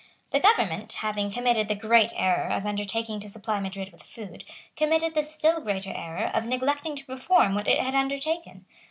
The government, having committed the great error of undertaking to supply Madrid with food, committed the still greater error of neglecting to perform what it had undertaken.